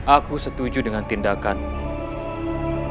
aku setuju dengan tindakanmu